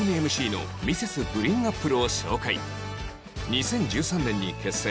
２０１３年に結成